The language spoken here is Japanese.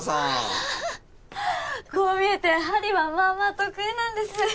ああっこう見えて針はまあまあ得意なんです